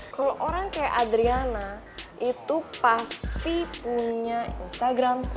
kalau orang kayak adriana itu pasti punya instagram